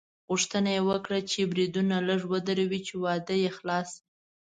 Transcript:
غوښتنه یې وکړه چې بریدونه لږ ودروي چې واده یې خلاص شي.